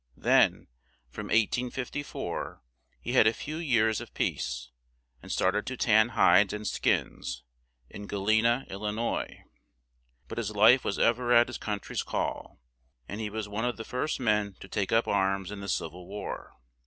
Then, from 1854, he had a few years of peace, and start ed to tan hides and skins, in Ga le na, Il li nois; but his life was ev er at his coun try's call; and he was one of the first men to take up arms in the Civil War.